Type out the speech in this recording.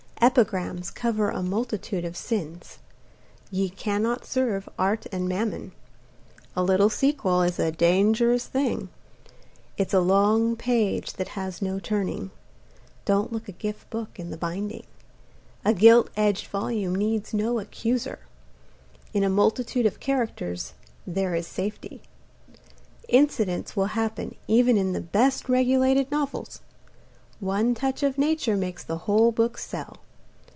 Epigrams cover a multitude of sins. Ye can not serve Art and Mammon. A little sequel is a dangerous thing. It's a long page that has no turning. Don't look a gift book in the binding. A gilt edged volume needs no accuser. In a multitude of characters there is safety. Incidents will happen even in the best regulated novels. One touch of Nature makes the whole book sell.